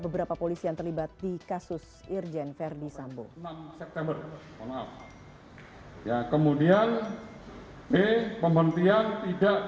beberapa polisi yang terlibat di kasus irjen ferdi sambo ya kemudian b pembentian tidak